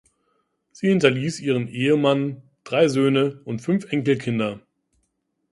Sie hinterließ ihren Ehemann, drei Söhne und fünf Enkelkinder.